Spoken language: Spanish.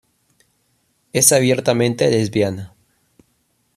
Es abiertamente lesbiana.